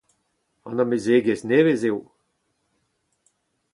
An amezegez nevez eo.